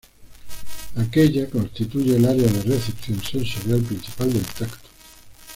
Aquella constituye el área de recepción sensorial principal del tacto.